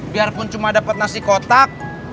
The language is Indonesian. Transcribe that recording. biarpun cuma dapat nasi kotak